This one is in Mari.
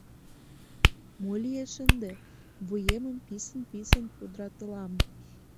«Мо лиеш ынде? — вуемым писын-писын пудыратылам.